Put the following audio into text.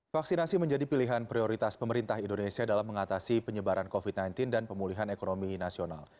vaksinasi menjadi pilihan prioritas pemerintah indonesia dalam mengatasi penyebaran covid sembilan belas dan pemulihan ekonomi nasional